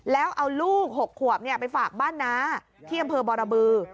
แล้วเอาลูก๖ขวบไปฝากบ้านน้าที่อำเภอบรบือ